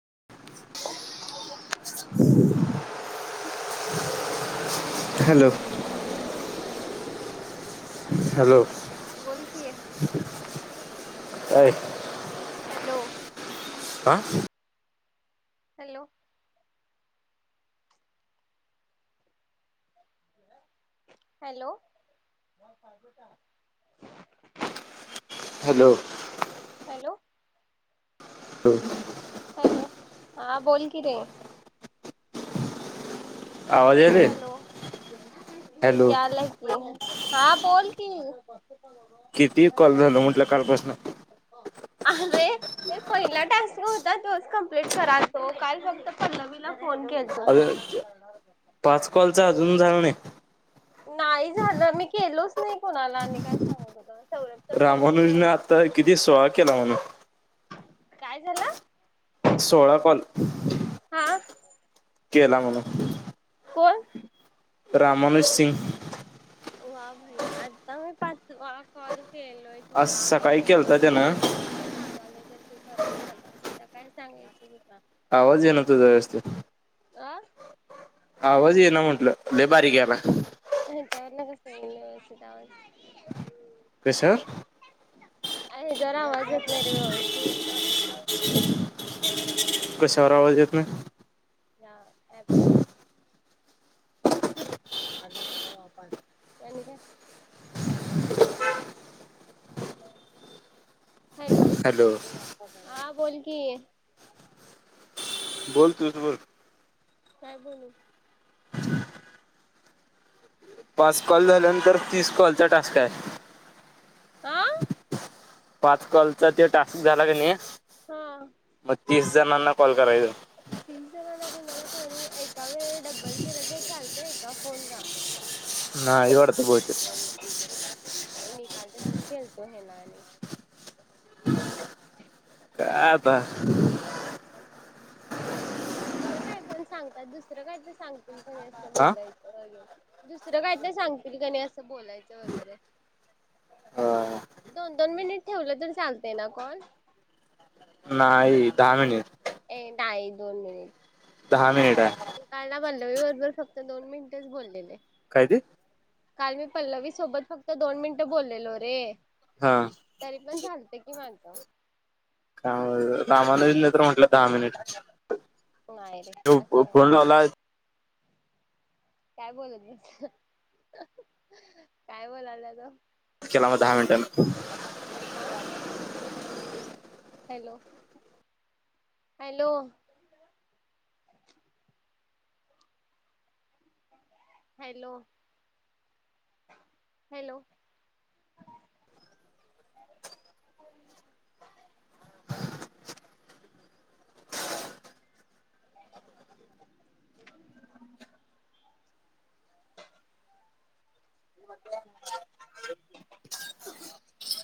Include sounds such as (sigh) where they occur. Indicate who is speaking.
Speaker 1: (unintelligible) Hello
Speaker 2: हम्म
Speaker 1: hello
Speaker 2: बोल कि
Speaker 1: अय
Speaker 2: हॅलो
Speaker 1: ह
Speaker 2: हॅलो हॅलो
Speaker 1: हॅलो
Speaker 2: हॅलो
Speaker 1: हो
Speaker 2: हॅलो हा बोल की रे
Speaker 1: आवाज यायले
Speaker 2: हॅलो
Speaker 1: हॅलो
Speaker 2: यालाय की हा बोल की
Speaker 1: किती कॉल झाल म्हटलं कालपासन
Speaker 2: अरे ते पहिला टास्क होता तोच कमप्लीट करालतो. काल फक्त पल्लवीला फोन केलतो
Speaker 1: अजून पाच कॉलचा अजून झाल नाही?
Speaker 2: नाही झालं मी केलोच नाही कोणाला आणि काय सांगु आता होत सौरभच्या फोन वरण
Speaker 1: रामानुजने
Speaker 2: एक
Speaker 1: आता
Speaker 2: केलं
Speaker 1: किती
Speaker 2: फक्त
Speaker 1: सोळा केला म्हणून
Speaker 2: काय झालं?
Speaker 1: सोळा बांद.
Speaker 2: हा
Speaker 1: केला म्हणून
Speaker 2: कोण?
Speaker 1: राममनोज सिंग (unintelligible)
Speaker 2: वा भाई, आत्ता मी पाचवा कॉल केलोय
Speaker 1: आज
Speaker 2: तूला
Speaker 1: सकाळी
Speaker 2: माहिती नाय
Speaker 1: केलता
Speaker 2: तुला ते
Speaker 1: त्यानं
Speaker 2: सांगतील न सांगायलोय तसं. तू खराब झालायस, आता काय सांगायचं तूला.
Speaker 1: आवाज येना तुझा व्यवस्थित.
Speaker 2: आं
Speaker 1: आवाज इना म्हटलं लय बारीक यालाय.
Speaker 2: त्यांच्याकड लगीच नाय न व्यवस्तीत आवाज येत
Speaker 1: काय सर
Speaker 2: आये जरा आवाज विडिओ आहे ती एक टाकू का?
Speaker 1: कशावर आवाज येतोय.
Speaker 2: हया अँपवर हू करावा आप का कवा (unintelligible) हॅलो, हा बोल की
Speaker 1: बोल तूच बोल.
Speaker 2: काय बोलू?
Speaker 1: पाच कॉल झाल्यानंतर तीस कॉलचा टास्क आहे
Speaker 2: आ
Speaker 1: पाच कॉलचा ते टास्क झाला की नई म तीस जणांना कॉल करायचा
Speaker 2: तीसगना गुणा ना कररू (unintelligible) अररे डब्ब्ल केल तरी चालतं. नाही का फोनला
Speaker 1: नाइ वाटतं बहुते
Speaker 2: मी काल त सुट्टी आलतो. येणारी
Speaker 1: काय आता
Speaker 2: असल काय पण सांगतात दुसरं काय तरी सांग तुम्ही पण हेच असलं
Speaker 1: हा
Speaker 2: बोलायचं वगैरे दुसरं कायतरी सांगतील कनाय असं बोलायचं वगैरे, दोन, दोन मिनिट ठेवलं तरी चालतंय ना कॉल?
Speaker 1: नाइ, दहा मिनिट.
Speaker 2: ए नाइ, दोन मिनिट.
Speaker 1: दहा मिनिटय
Speaker 2: मी काल ना पल्लवी बरबर फक्त दोन मिनटंच बोलेले.
Speaker 1: दी (unintelligible)
Speaker 2: काल मी पल्लवी सोबत फक्त दोन मिनिटं बोललेलो रे
Speaker 1: हा
Speaker 2: तरी पण झालत कि माझं. (inaudible)
Speaker 1: का कामाला येईल तर म्हटलं दहा मिनिट
Speaker 2: नाही रे
Speaker 1: त्यो
Speaker 2: असं
Speaker 1: फो
Speaker 2: काय
Speaker 1: फोन लावलाय
Speaker 2: काय बोलत बस, काय बोलायला तो?
Speaker 1: केला म दहा मिनटान.
Speaker 2: आ हॅलो, हॅलो हॅलो, हॅलो (unintelligible) (inaudible)